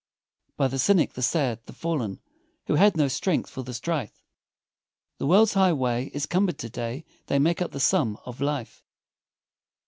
By the cynic, the sad, the fallen, Who had no strength for the strife, The world's highway is cumbered to day, They make up the sum of life.